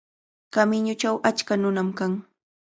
Kamiñuchaw achka nunam kan.